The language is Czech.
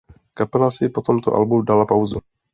Kapela si po tomto albu dala pauzu.